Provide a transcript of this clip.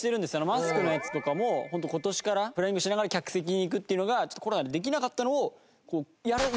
マスクのやつとかもホント今年からフライングしながら客席に行くっていうのがコロナでできなかったのをやるために。